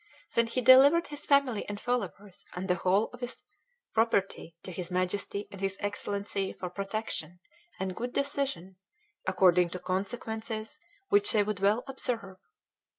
Then he delivered his family and followers and the whole of his property to His Majesty and His Excellency for protection and good decision, according to consequences which they would well observe."